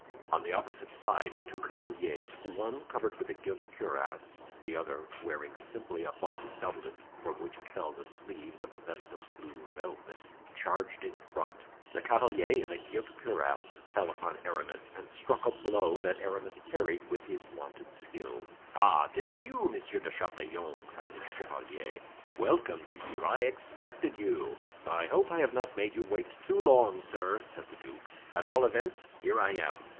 On the opposite side two cavaliers, one covered with a gilt cuirass, the other wearing simply a buff doublet, from which fell the sleeves of a vest of blue velvet, charged in front. The cavalier in the gilt cuirass fell upon Aramis and struck a blow that Aramis parried with his wonted skill. "Ah! 'tis you, Monsieur de Chatillon," cried the chevalier; "welcome to you—I expected you." "I hope I have not made you wait too long, sir," said the duke; "at all events, here I am."